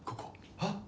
はっ？